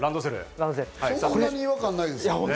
そんなに違和感ないです。